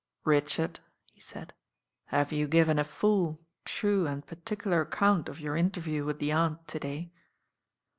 "Richard," he said, "have you given a full, true and particular account of your interview with the Aunt to day?"